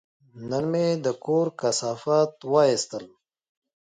نن مې د کور کثافات وایستل.